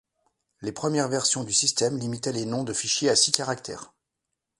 Les premières versions du système limitaient les noms de fichier à six caractères.